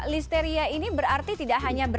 listeria ini berarti tidak hanya